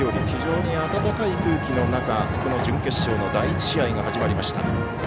非常に暖かい空気の中、準決勝の第１試合が始まりました。